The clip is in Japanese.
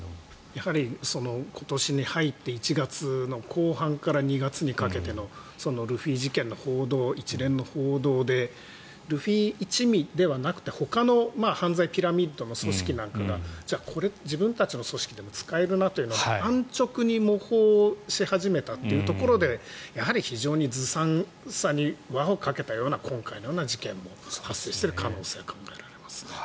やはり、今年に入って１月の後半から２月にかけてのルフィ事件の一連の報道でルフィ一味ではなくてほかの犯罪ピラミッドの組織なんかが自分たちの組織でも使えるなと安直に模倣し始めたというところでやはり非常にずさんさに輪をかけたような今回のような事件も発生している可能性が考えられますね。